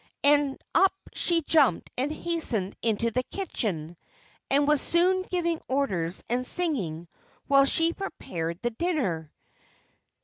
And up she jumped and hastened into the kitchen, and was soon giving orders and singing while she prepared the dinner.